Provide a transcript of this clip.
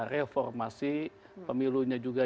reformasi pemilunya juga